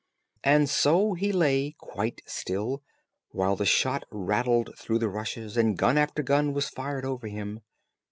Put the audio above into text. And so he lay quite still, while the shot rattled through the rushes, and gun after gun was fired over him.